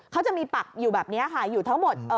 เขาจะมีปักอยู่แบบนี้ค่ะอยู่ทั้งหมด